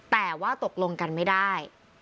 แต่ว่าตกลงกันไม่ได้